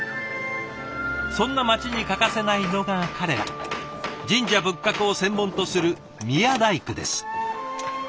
そんな街に欠かせないのが彼ら神社仏閣を専門とする宮大工です。